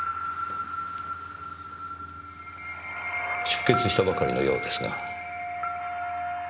出血したばかりのようですが。